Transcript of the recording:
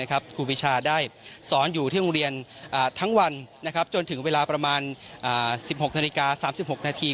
ครูปีชาได้สอนอยู่ที่โรงเรียนทั้งวันจนถึงเวลาประมาณ๑๖นาฬิกา๓๖นาที